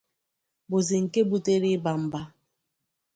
bụzị nke butere ịba mba